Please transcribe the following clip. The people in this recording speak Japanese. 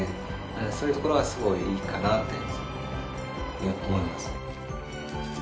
そういうところはすごいいいかなって思います。